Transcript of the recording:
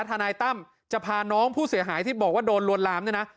ทนายตั้มจะพาน้องผู้เสียหายที่บอกว่าโดนลวนลามเนี่ยนะ